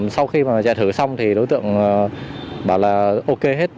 sau khi chạy thử xong đối tượng bảo là ok hết